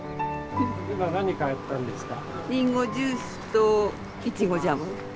今何買ったんですか？